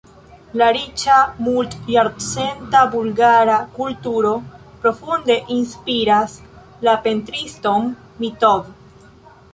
La riĉa multjarcenta bulgara kulturo profunde inspiras la pentriston Mitov.